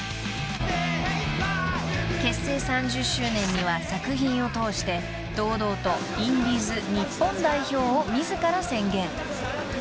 ［結成３０周年には作品を通して堂々と「インディーズ日本代表」を自ら宣言］